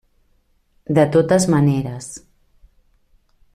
De totes maneres.